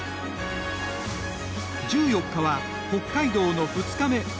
１４日は北海道の２日目。